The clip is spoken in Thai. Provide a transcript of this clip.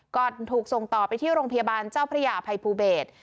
ถูกส่งต่อไปที่โรงพยาบาลเจ้าพระยาภัยภูเบศ